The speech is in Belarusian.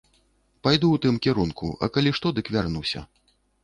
Пайду ў тым кірунку, а калі што, дык вярнуся.